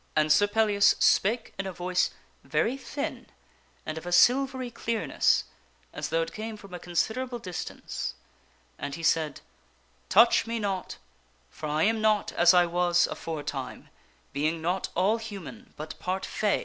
And Sir Pellias spake in a voice very thin and of a silvery clearness as though it came from a considerable distance, and he said, " Touch me not, for I am not as I was aforetime, being not all human, but part fay.